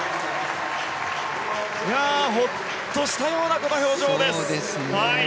ほっとしたようなこの表情です。